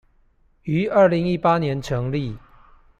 於二零一八年成立